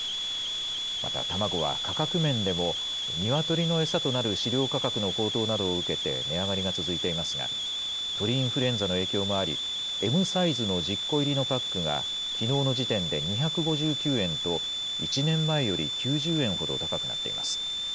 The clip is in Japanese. また卵は価格面でも、ニワトリの餌となる飼料価格の高騰などを受けて値上がりが続いていますが、鳥インフルエンザの影響もあり、Ｍサイズの１０個入りのパックが、きのうの時点で２５９円と、１年前より９０円ほど高くなっています。